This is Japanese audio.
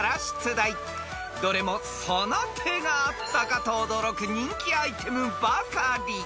［どれもその手があったかと驚く人気アイテムばかり］